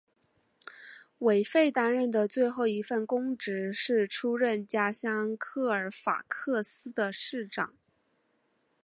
韦弗担任的最后一份公职是出任家乡科尔法克斯的市长。